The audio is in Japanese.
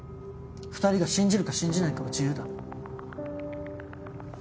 ２人が信じるか信じないかは自由だ。